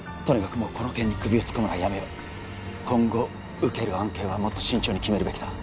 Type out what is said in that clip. もうこの件に首を突っ込むのはやめよう今後受ける案件はもっと慎重に決めるべきだ